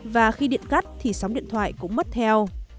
và khi điện cắt thì sóng điện thoại cũng mất theo